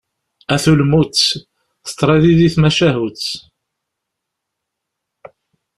A tulmut, teḍra yid-i tmacahut.